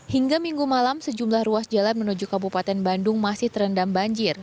hingga minggu malam sejumlah ruas jalan menuju kabupaten bandung masih terendam banjir